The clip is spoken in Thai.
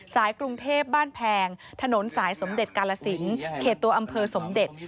กรุงเทพบ้านแพงถนนสายสมเด็จกาลสินเขตตัวอำเภอสมเด็จ